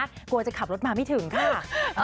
กลัวจะขับรถมาไม่ถึงค่ะ